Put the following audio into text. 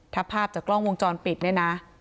ถ้าภาพจากกล้องวงจรปิดเนี่ยนะ